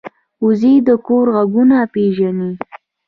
وزې د کور غږونه پېژني